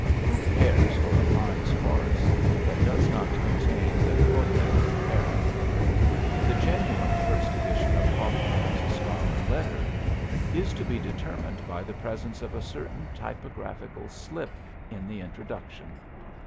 Who cares for a Pine's Horace that does not contain the "potest" error? The genuine first edition of Hawthorne's "Scarlet Letter" is to be determined by the presence of a certain typographical slip in the introduction.